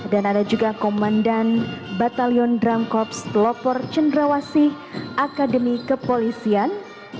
dan ada juga komandan batalion drum corps telopor cendrawasi akademi kepolisian